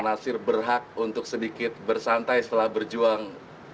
nasir berhak untuk sedikit bersantai setelah berjuang